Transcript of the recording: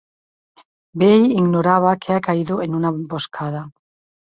Bey ignoraba que ha caído en una emboscada.